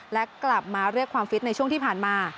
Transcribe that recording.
และกลับมาเรียกความฟิตในช่วงที่ผ่านมา